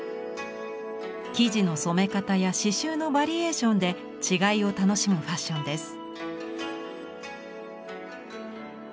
生地の染め方や刺しゅうのバリエーションで違いを楽しむファッションです。